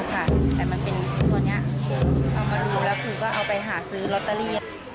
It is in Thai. แต่มันเป็นตัวนี้เอามาดูแล้วคือก็เอาไปหาซื้อลอตเตอรี่